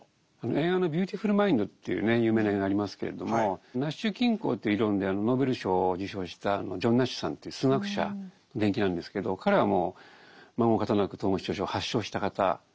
映画の「ビューティフル・マインド」という有名な映画ありますけれどもナッシュ均衡という理論でノーベル賞を受賞したジョン・ナッシュさんという数学者の伝記なんですけど彼はもうまごう方なく統合失調症を発症した方なんですよ。